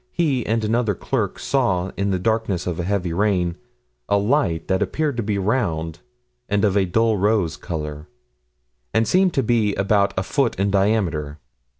he and another clerk saw, in the darkness of a heavy rain, a light that appeared to be round, and of a dull rose color, and seemed to be about a foot in diameter.